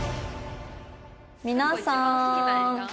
「皆さーん」